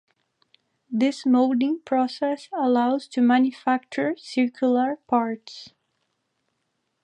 This molding process allows to manufacture circular parts.